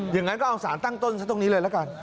อย่างนั้นก็เอาสารตั้งต้นซะตรงนี้เลยละกัน